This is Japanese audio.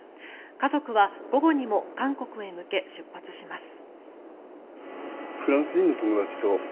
家族は午後にも韓国へ向け出発します。